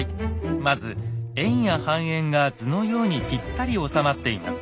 まず円や半円が図のようにぴったり収まっています。